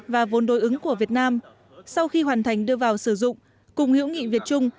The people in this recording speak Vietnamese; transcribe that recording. và vốn đối ứng của việt nam sau khi hoàn thành đưa vào sử dụng cùng hữu nghị việt trung